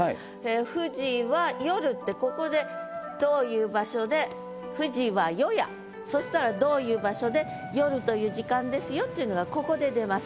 「富士は夜」ってここでどういう場所で「富士は夜や」。そしたらという時間ですよっていうのがここで出ます。